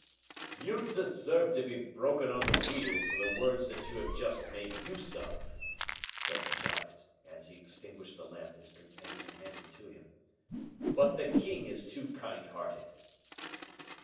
"You deserve to be broken on the wheel for the words that you have just made use of," said the giant, as he extinguished the lamp his companion handed to him; "but the king is too kind hearted."